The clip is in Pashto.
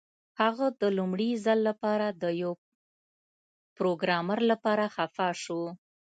هغه د لومړي ځل لپاره د یو پروګرامر لپاره خفه شو